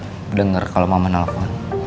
sampai ga sempet denger kalo mama nelfon